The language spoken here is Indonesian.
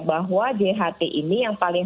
bahwa jht ini yang paling